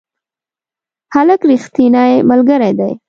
هلک رښتینی ملګری دی.